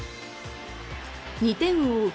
２点を追う